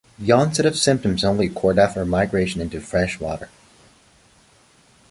The onset of symptoms only occurred after migration into freshwater.